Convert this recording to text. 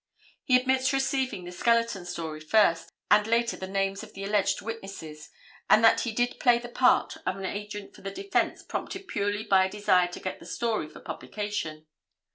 He admits receiving the "skeleton" story first and later the names of the alleged witnesses, and that he did play the part of an agent for the defense prompted purely by a desire to get the story for publication.